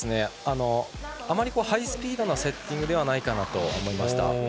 あまりハイスピードなセッティングではないと思いました。